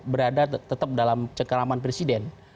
berada tetap dalam cekaraman presiden